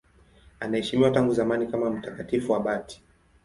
Anaheshimiwa tangu zamani kama mtakatifu abati.